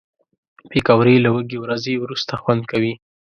پکورې له وږې ورځې وروسته خوند کوي